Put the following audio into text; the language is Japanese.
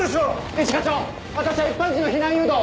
一課長私は一般人の避難誘導を。